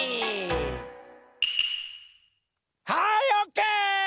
はいオッケー！